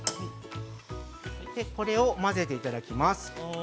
◆これを混ぜていただきます。